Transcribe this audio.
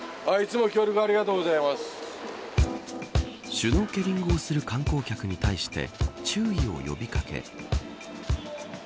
シュノーケリングをする観光客に対して注意を呼び掛け。